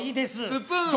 スプーンは？